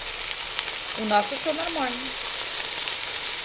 У нас усё нармальна.